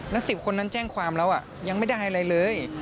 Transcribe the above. แล้ว๑๐คนนั้นแจ้งความแล้วยังไม่ได้อะไรเลย